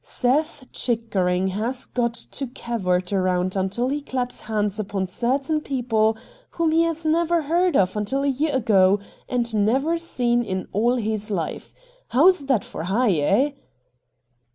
Seth Chickering has got to cavort around until he claps hands upon certain people whom he has never heard of until a year ago and never seen in all his life. How's that for high, eh